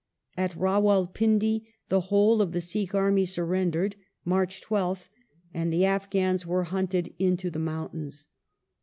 At Rawal Pindi the whole of the Sikh army surrendered (March 12th), and the Afghans were hunted into the mountains.